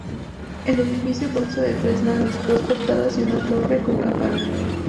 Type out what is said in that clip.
El edificio consta de tres naves, dos portadas y una torre con campanario.